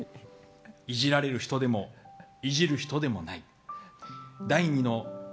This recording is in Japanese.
イジられる人でもイジる人でもない。